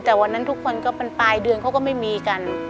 แต่วันนั้นทุกคนก็เป็นปลายเดือนเขาก็ไม่มีกัน